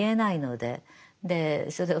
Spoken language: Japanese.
でそれを